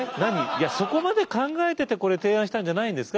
いやそこまで考えててこれ提案したんじゃないんですか？